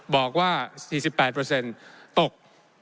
บอกว่า๔๘ตก